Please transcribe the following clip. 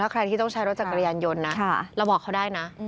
ใครที่ต้องใช้รถจักรยานยนต์นะเราบอกเขาได้นะ